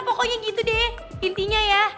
pokoknya gitu deh intinya ya